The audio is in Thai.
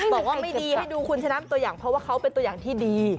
บอกว่าไม่ดีให้ดูคุณชนะเป็นตัวอย่างเพราะว่าเขาเป็นตัวอย่างที่ดี